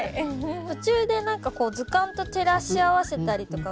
途中で何かこう図鑑と照らし合わせたりとか。